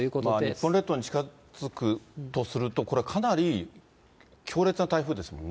日本列島に近づくとすると、これはかなり強烈な台風ですもんね。